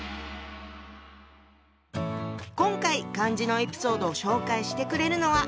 今回漢字のエピソードを紹介してくれるのは。